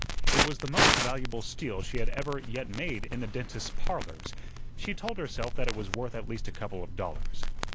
It was the most valuable steal she had ever yet made in the dentist's "Parlors." She told herself that it was worth at least a couple of dollars.